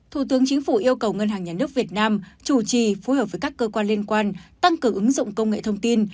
thủ tướng chính phủ yêu cầu ngân hàng nhà nước việt nam chủ trì phối hợp với các cơ quan liên quan tăng cường ứng dụng công nghệ thông tin